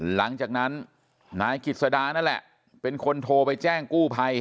หลังจากนั้นนายกิจสดานั่นแหละเป็นคนโทรไปแจ้งกู้ภัย